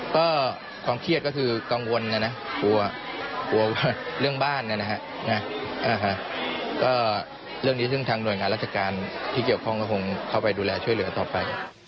ก็ความเครียดก็คือกังวลนะ